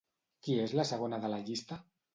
Qui és la segona de la llista?